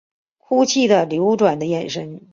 哭泣的流转的眼神